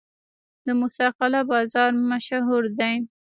د موسی قلعه بازار مشهور دی